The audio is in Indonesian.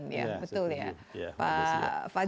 iya betul ya pak fajri